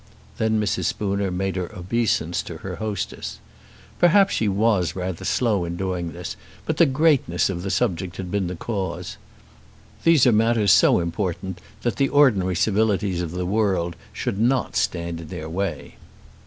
Then Mrs. Spooner made her obeisance to her hostess. Perhaps she was rather slow in doing this, but the greatness of the subject had been the cause. These are matters so important, that the ordinary civilities of the world should not stand in their way.